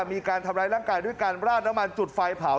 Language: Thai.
มีการทำร้ายร่างกายด้วยการราดน้ำมันจุดไฟเผา